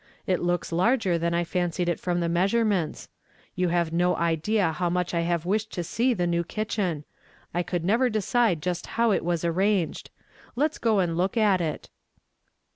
It looks larger than 1 fancied it from the measurements. You have no idea how nuich I hiive wished to see the new kitchen ; I could never decide just how it was arranged. Let us go and look at it."